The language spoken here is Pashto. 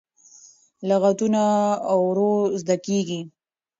لغتونه ورو زده کېږي.